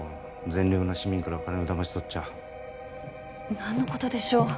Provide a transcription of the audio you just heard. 善良な市民から金をだまし取っちゃ何のことでしょう？